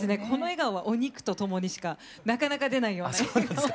この笑顔はお肉と共にしか。なかなか出ないような笑顔。